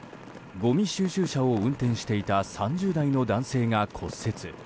ごみ収集車を運転していた３０代の男性が骨折。